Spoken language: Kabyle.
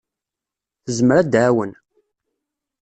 Tezmer ad d-tɛawen.